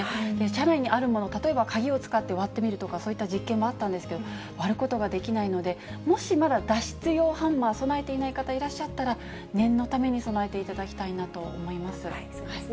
車内にあるもの、例えば鍵を使って割ってみるとか、そういった実験もあったんですけど、割ることができないので、もしまだ脱出用ハンマーを備えていない方、いらっしゃったら、念のために備えていただきたいなと思います。